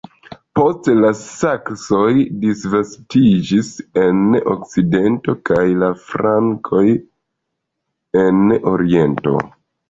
Poste la Saksoj disvastiĝis en okcidento kaj la Frankoj en oriento.